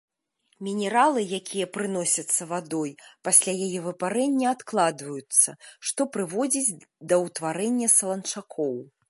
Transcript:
Мінералы, якія прыносяцца вадой, пасля яе выпарэння адкладваюцца, што прыводзіць да ўтварэння саланчакоў.